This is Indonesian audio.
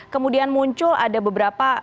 kemudian muncul ada beberapa